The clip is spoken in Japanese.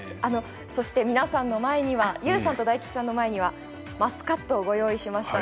そしてＹＯＵさんと大吉さんの前にはマスカットをご用意しました。